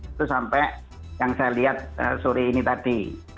itu sampai yang saya lihat sore ini tadi